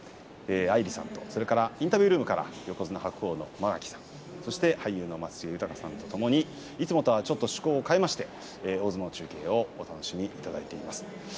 アイリさん、そしてインタビュールームから間垣さん、そして松重豊さんといつもとは趣向を変えて大相撲中継をお楽しみいただいています。